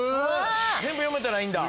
全部読めたらいいんだ。